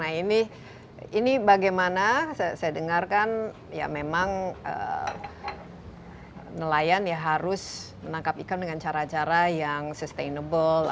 nah ini bagaimana saya dengarkan ya memang nelayan ya harus menangkap ikan dengan cara cara yang sustainable